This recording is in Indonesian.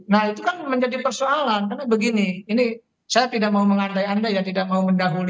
nah itu kan menjadi persoalan karena begini ini saya tidak mau mengandai andai ya tidak mau mendahului